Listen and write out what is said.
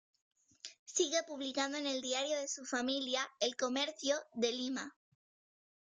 Sigue publicando en el diario de su familia, "El Comercio" de Lima.